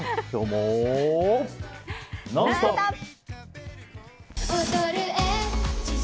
「ノンストップ！」。